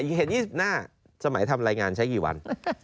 เห็น๒๕สมัยทำรายงานใช้กี่วัน